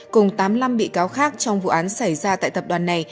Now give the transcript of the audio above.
cùng tám mươi năm bị cáo khác trong vụ án xảy ra tại tập đoàn này